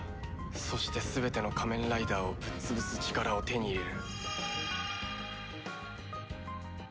そして全ての仮面ライダーをぶっ潰す力を手に入れる。